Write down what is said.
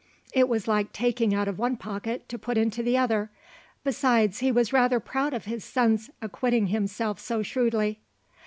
It was like taking out of one pocket to put into the other. Besides, he was rather proud of his son's acquitting himself so shrewdly.